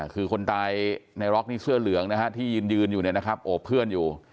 คือคนตายในร็อกนี่เสื้อเหลืองนะฮะที่ยืนอยู่เนี่ยนะครับโอบเพื่อนอยู่